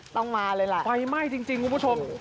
ต้องมาเลยล่ะไฟไหม้จริงคุณผู้ชม